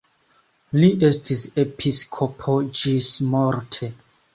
Li estis episkopo ĝismorte.